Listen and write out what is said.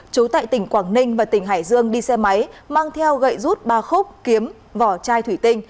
chú tại tỉnh quảng ninh và tỉnh hải dương đi xe máy mang theo gậy rút ba khúc kiếm vỏ chai thủy tinh